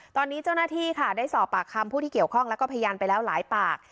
ตอนนี้เจ้าหน้าที่ค่ะได้สอบปากคำผู้ที่เกี่ยวข้องแล้วก็พยานไปแล้วหลายปาก